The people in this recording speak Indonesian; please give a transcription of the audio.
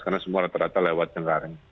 karena semua rata rata lewat cengkareng